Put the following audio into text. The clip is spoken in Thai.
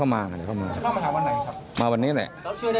เชื่อได้ไงค่ะ